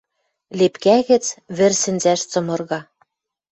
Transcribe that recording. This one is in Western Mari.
Лепкӓ гӹц вӹр сӹнзӓш цымырга.